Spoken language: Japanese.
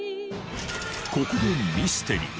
ここでミステリー